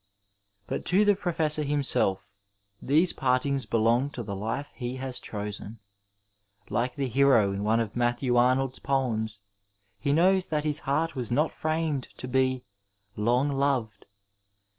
But to the proffssor himself these partings belong to the life he has chosen. like the hero in one of Matthew Arnold's poems, he knows that his heart was not framed to be ' long loved.'